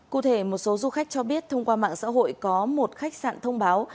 cụ thể một số du khách cho biết thông qua mạng xã hội có một khách sạn thông báo